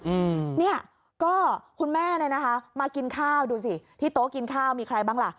อืมเนี่ยก็คุณแม่เนี่ยนะคะมากินข้าวดูสิที่โต๊ะกินข้าวมีใครบ้างล่ะ